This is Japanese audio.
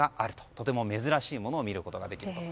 とても珍しいものを見ることができると。